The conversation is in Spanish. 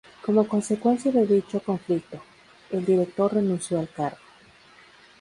Como consecuencia de dicho conflicto, el director renunció al cargo.